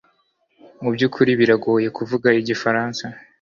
mu byukuri biragoye kuvuga igifaransa